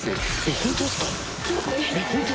本当ですか？